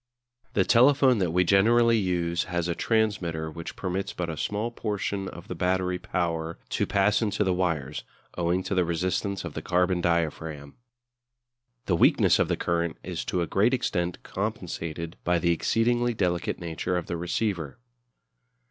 The telephone that we generally use has a transmitter which permits but a small portion of the battery power to pass into the wires, owing to the resistance of the carbon diaphragm. The weakness of the current is to a great extent compensated by the exceedingly delicate nature of the receiver.